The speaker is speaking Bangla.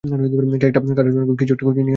কেকটা কাটার জন্য কিছু একটা খুঁজে নিয়ে আসছি।